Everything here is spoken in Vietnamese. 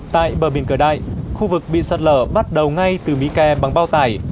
tại bờ biển cửa đại khu vực bị sạt lở bắt đầu ngay từ mỹ kè bằng bao tải